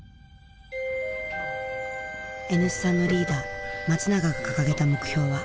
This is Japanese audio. Ｎ産のリーダー松永が掲げた目標は。